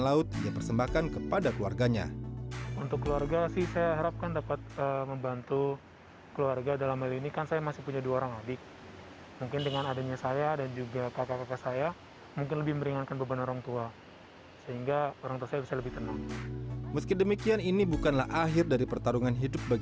bagi let the always keluarga adalah motivasi untuk menjaga kemampuan kita